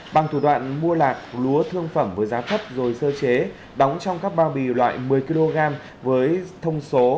bằng thủ đoạn mua lạc lúa thương phẩm với giá thấp rồi sơ chế đóng trong các bao bì loại một mươi kg với thông số